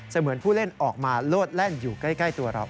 เหมือนผู้เล่นออกมาโลดแล่นอยู่ใกล้ตัวเรา